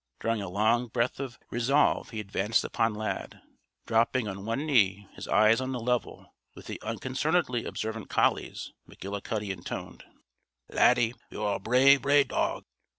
Drawing a long breath of resolve he advanced upon Lad. Dropping on one knee, his eyes on a level with the unconcernedly observant collie's, McGillicuddy intoned: "Laddie, ye're a braw, braw dog.